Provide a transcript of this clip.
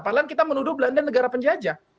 padahal kita menuduh belanda negara penjajah